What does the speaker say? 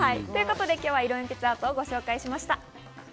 本物なのかどうか。ということで、今日は色鉛筆アートをご紹介しました。